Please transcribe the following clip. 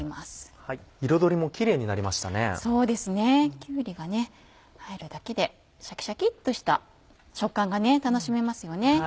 きゅうりが入るだけでシャキシャキっとした食感が楽しめますよね。